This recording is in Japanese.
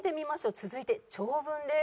続いて長文です。